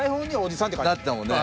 だったもんね。